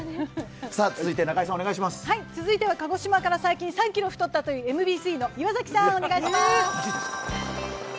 続いては鹿児島から最近３ｋｇ太ったというＭＢＣの岩崎さん、お願いします。